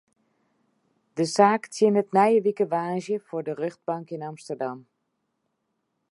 De saak tsjinnet nije wike woansdei foar de rjochtbank yn Amsterdam.